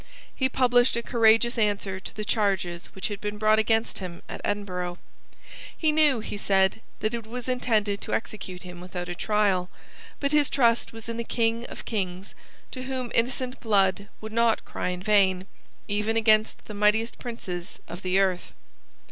He published a courageous answer to the charges which had been brought against him at Edinburgh. He knew, he said, that it was intended to execute him without a trial: but his trust was in the King of Kings, to whom innocent blood would not cry in vain, even against the mightiest princes of the earth.